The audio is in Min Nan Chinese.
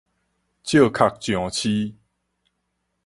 借殼上市